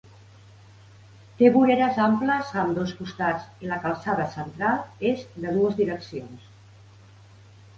Té voreres amples a ambdós costats i la calçada central és de dues direccions.